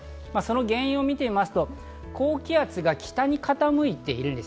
原因を見てみますと、高気圧が北に傾いているんです。